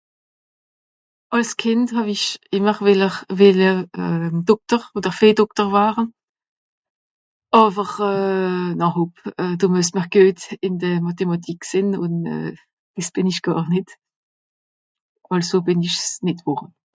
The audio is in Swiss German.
àls Kìnd hàwi'ich ìmmer weller welle euh dokter oder Viehdokter ware àwer euh nà hop do muess m'r guet in de màthématik sìn un euh des bìn esch gàr nìt also bìn isch's nìt wore